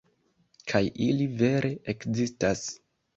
Kaj ili, vere, ekzistas.